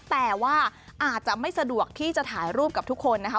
แต่ว่าอาจจะไม่สะดวกที่จะถ่ายรูปกับทุกคนนะคะ